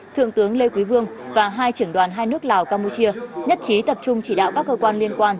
thượng tướng lê quý vương và hai trưởng đoàn hai nước lào campuchia nhất trí tập trung chỉ đạo các cơ quan liên quan